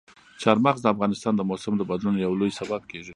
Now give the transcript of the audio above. چار مغز د افغانستان د موسم د بدلون یو لوی سبب کېږي.